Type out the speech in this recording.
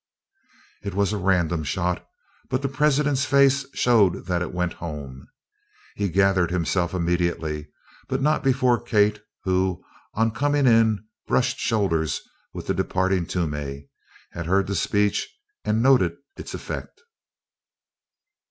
It was a random shot, but the president's face showed that it went home. He gathered himself immediately, but not before Kate who, on coming in brushed shoulders with the departing Toomey, had heard the speech and noted its effect.